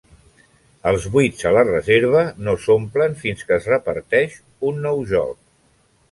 Els buits a la reserva no s'omplen fins que es reparteix un nou joc.